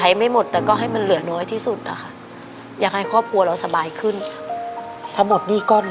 เราใช้ไม่หมดแต่ก็ให้มันเหลือน้อยที่สุด